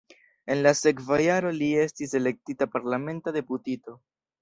En la sekva jaro li estis elektita parlamenta deputito.